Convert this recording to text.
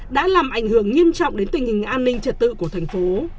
đã làm ảnh hưởng nghiêm trọng đến tình hình an ninh trật tự của thành phố